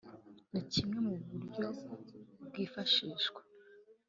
ni kimwe mu buryo bwifashishwa